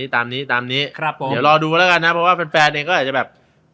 ตามนี้เดี๋ยวรอดูแล้วกันนะเพราะแฟนเองก็อยากจะแบบ